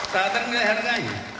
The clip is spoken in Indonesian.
tak ternilai harganya